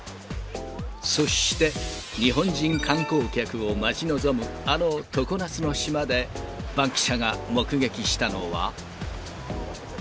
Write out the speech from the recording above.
そして、日本人観光客を待ち望むあの常夏の島で、バンキシャが目撃したのは。